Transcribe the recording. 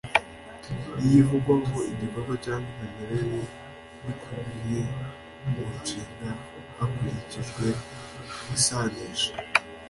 ni yo ivugwaho igikorwa cyangwa imimerere bikubiye mu nshinga hakurikijwe isanisha